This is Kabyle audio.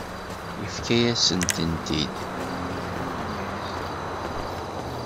Yefka-yasen-ten-id.